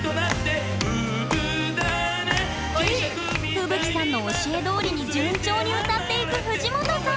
風吹さんの教えどおりに順調に歌っていく藤本さん！